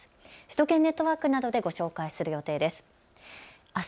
首都圏ネットワークなどでご紹介する予定です。